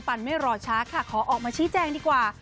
ันไม่รอช้าค่ะขอออกมาชี้แจงดีกว่า